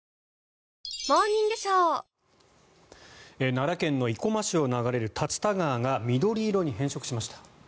奈良県の生駒市を流れる竜田川が緑色に変色しました。